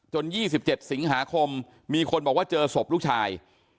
๒๗สิงหาคมมีคนบอกว่าเจอศพลูกชาย